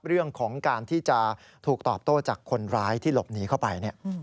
เรื่องของการที่จะถูกตอบโต้จากคนร้ายที่หลบหนีเข้าไป